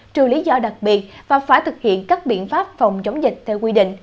trừ lý do đặc biệt và phải thực hiện các biện pháp phòng chống dịch theo quy định